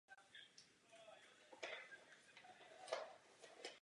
Další známé značky přišly s obdobnými nápady.